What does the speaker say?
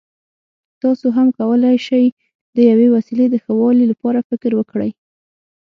تاسو هم کولای شئ د یوې وسیلې د ښه والي لپاره فکر وکړئ.